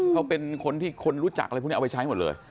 เขาเป็นคนที่คนรู้จักอะไรพวกนี้เอาไปใช้หมดเลย